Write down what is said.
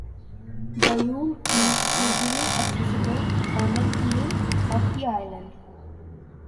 The room is easily accessible on a tour of the island.